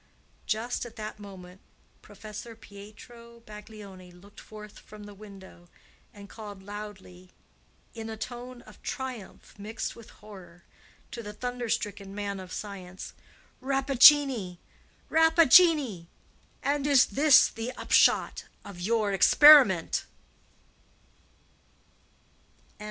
Just at that moment Professor Pietro Baglioni looked forth from the window, and called loudly, in a tone of triumph mixed with horror, to the thunderstricken man of science, "Rappaccini! Rappaccini! and is this the upshot of your experiment!"